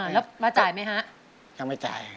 แล้วมาจ่ายไหมฮะยังไม่จ่าย